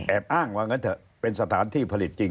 อ้างว่างั้นเถอะเป็นสถานที่ผลิตจริง